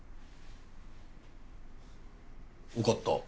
分かった。